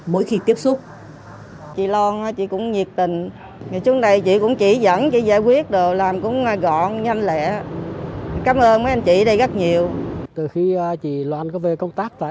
mỗi khi tiếp xúc